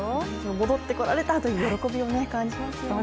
戻ってこられたという喜びを感じますよね。